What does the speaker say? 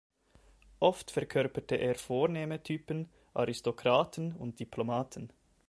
Oft verkörperte er vornehme Typen, Aristokraten und Diplomaten.